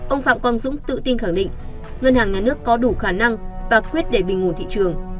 ông phạm quang dũng tự tin khẳng định ngân hàng nhà nước có đủ khả năng và quyết để bình ngồn thị trường